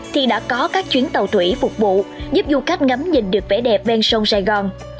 thì đã có các chuyến tàu thủy phục vụ giúp du khách ngắm nhìn được vẻ đẹp ven sông sài gòn